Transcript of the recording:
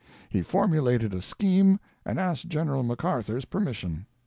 He formulated a scheme and asked General MacArthur's permission.